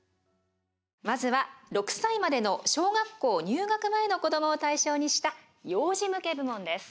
まずは６歳までの小学校入学前の子どもを対象にした幼児向け部門です。